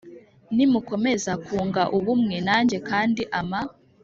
Nimukomeza kunga ubumwe nanjye kandi ama